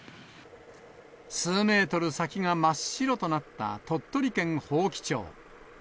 数メートル先が真っ白となった鳥取県伯耆町。